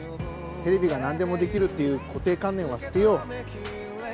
テレビが何でもできるっていう固定観念は捨てよう。